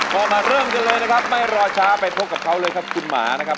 พอมาเริ่มกันเลยนะครับไม่รอช้าไปพบกับเขาเลยครับคุณหมานะครับ